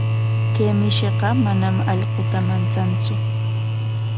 Kay mishiqa manam allquta manchantsu.